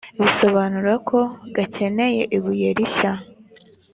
bisobunura ko gakeneye ibuye rishya